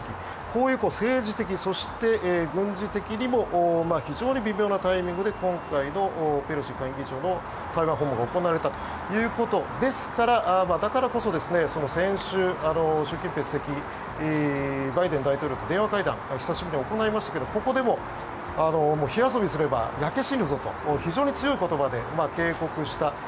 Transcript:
こういう政治的にも軍事的にも非常に微妙なタイミングで今回のペロシ下院議長の台湾訪問が行われたということですからだからこそ先週習近平国家主席はバイデン大統領と電話会談を久しぶりに行いましたがここでも火遊びすれば焼け死ぬぞと非常に強い言葉で警告した。